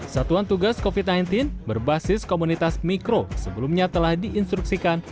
satuan tugas covid sembilan belas berbasis komunitas mikro sebelumnya telah diinstruksikan